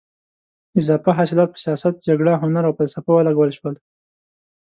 اضافه حاصلات په سیاست، جګړه، هنر او فلسفه ولګول شول.